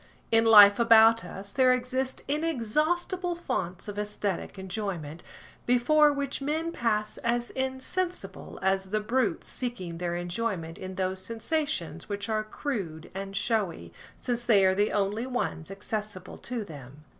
In life about us, there exist inexhaustible fonts of æsthetic enjoyment, before which men pass as insensible as the brutes seeking their enjoyment in those sensations which are crude and showy, since they are the only ones accessible to them.